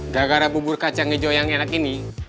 gara gara bubur kacang hijau yang enak ini